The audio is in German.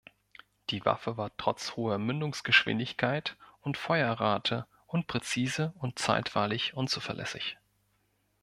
Die Waffe war trotz hoher Mündungsgeschwindigkeit und Feuerrate unpräzise und zeitweilig unzuverlässig.